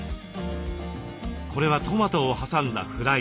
これはトマトを挟んだフライ。